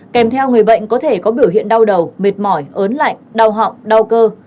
kèm theo người bệnh có thể có biểu hiện đau đầu mệt mỏi ớn lạnh đau họng đau cơ